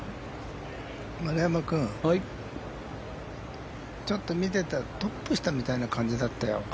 丸山君、ちょっと見ててトップしたみたいな感じだったよ。